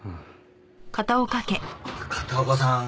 片岡さん